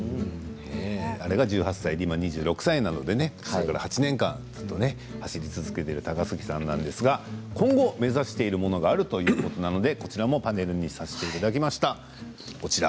それが１８歳で今２６歳だから８年間、走り続けている高杉さんなんですが今後目指しているものがあるということなのでこちらもパネルにさせていただきました。